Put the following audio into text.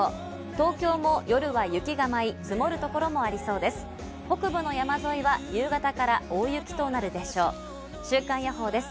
東京も夜は雪が舞い、積もる所もありそうです。